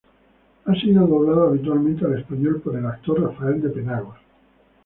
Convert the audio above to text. Ha sido doblado habitualmente al español por el actor Rafael de Penagos.